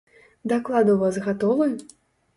Даклад у вас гатовы?